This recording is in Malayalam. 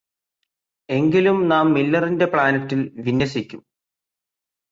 എങ്കിലും നാം മില്ലറിന്റെ പ്ലാനെറ്റിൽ വിന്യസിക്കും